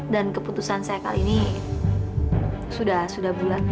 dan keputusan saya kali ini sudah bulat